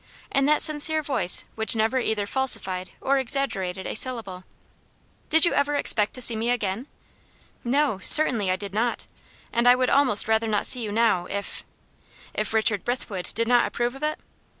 In that sincere voice which never either falsified or exaggerated a syllable. "Did you ever expect to see me again?" "No, certainly I did not. And I would almost rather not see you now, if " "If Richard Brithwood did not approve of it?